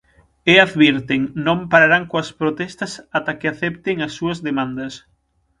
E advirten: non pararán coas protestas ata que acepten as súas demandas.